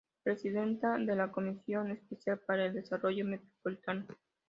Presidenta de la Comisión Especial para el Desarrollo Metropolitano.